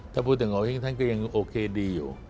ถ้าคิดถึงเหงอะท่านเศร้าเดียวโอเคดีอยู่